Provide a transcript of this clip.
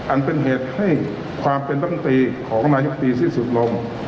อันเป็นเหตุให้ความเป็นรัฐมนตรีของนายกตรีสิ้นสุดลง